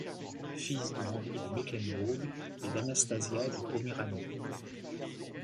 Fils de Henri de Mecklembourg et d'Anastasia de Poméranie.